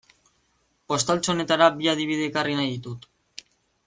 Postaltxo honetara bi adibide ekarri nahi ditut.